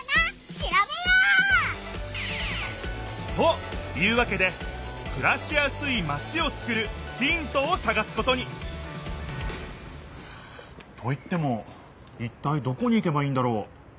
しらべよう！というわけでくらしやすいマチをつくるヒントをさがすことにといってもいったいどこに行けばいいんだろう？